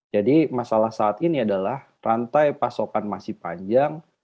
jadi masalah saat ini adalah rantai pasokan masih panjang